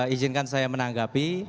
izinkan saya menanggapi